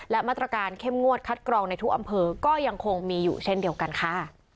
และมาตรการเข้มงวดคัดกรองในทุกอำเภอก็ยังคงมีอยู่เช่นเดียวกันค่ะ